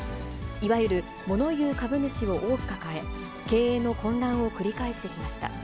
いわゆるものいう株主を多く抱え、経営の混乱を繰り返してきました。